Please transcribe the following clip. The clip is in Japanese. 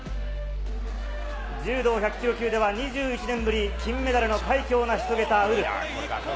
柔道１００キロ級では２１年ぶり、金メダルの快挙を成し遂げたウルフ。